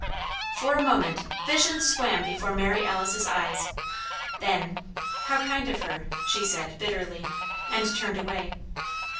For a moment, visions swam before Mary Alice's eyes. Then, "How kind of her!" she said, bitterly; and turned away.